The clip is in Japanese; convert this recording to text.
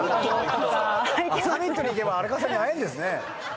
サミットに行けば荒川さんに会えるんですね。